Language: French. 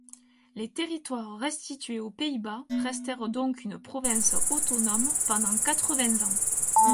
Les territoires restitués aux Pays-Bas restèrent donc une province autonome pendant quatre-vingts ans.